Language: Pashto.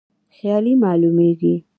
خیالي معلومیږي.